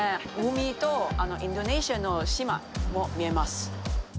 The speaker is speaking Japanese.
海とインドネシアの島も見えます。